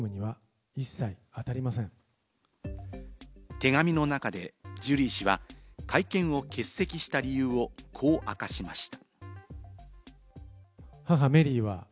手紙の中でジュリー氏は、会見を欠席した理由をこう明かしました。